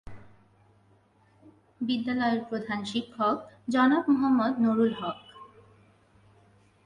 বিদ্যালয়ের প্রধান শিক্ষক জনাব মোহাম্মদ নুরুল হক।